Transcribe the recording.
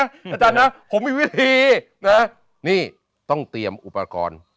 อาจารย์นะผมมีวิธีนะนี่ต้องเตรียมอุปกรณ์